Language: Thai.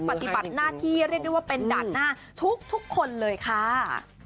ปฏิบัติหน้าที่เรียกได้ว่าเป็นด่านหน้าทุกคนเลยค่ะ